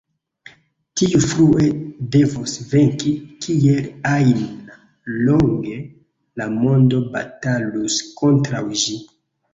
Tiu frue devos venki, kiel ajn longe la mondo batalus kontraŭ ĝi.